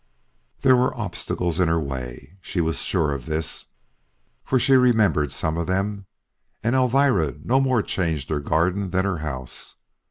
There were obstacles in her way. She was sure of this, for she remembered some of them, and Elvira no more changed her garden than her house.